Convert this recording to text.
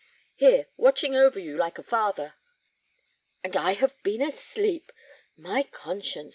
"Here, watching over you like a father." "And I have been asleep! My conscience!